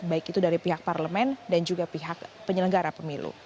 baik itu dari pihak parlemen dan juga pihak penyelenggara pemilu